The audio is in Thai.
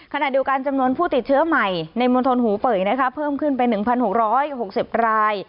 ขณะเดียวกันจำนวนผู้ติดเชื้อใหม่ในมณฑลหูเป่ยเพิ่มขึ้นไป๑๖๖๐ราย